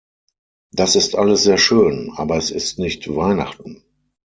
Das ist alles sehr schön, aber es ist nicht Weihnachten.